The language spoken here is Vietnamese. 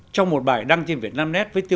trong một bài đăng trên việt nam